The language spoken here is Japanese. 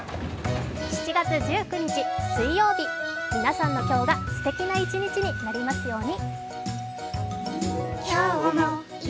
７月１９日水曜日皆さんの今日がすてきな一日になりますように。